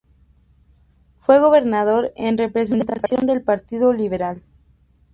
Fue gobernador en representación del Partido Liberal.